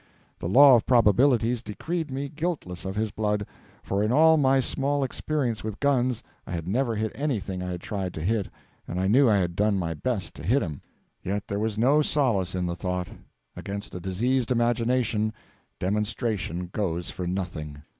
The law of probabilities decreed me guiltless of his blood; for in all my small experience with guns I had never hit anything I had tried to hit, and I knew I had done my best to hit him. Yet there was no solace in the thought. Against a diseased imagination, demonstration goes for nothing.